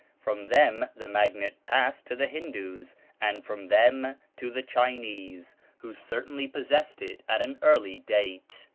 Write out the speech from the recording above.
From them the magnet passed to the Hindoos, and from them to the Chinese, who certainly possessed it at an early date.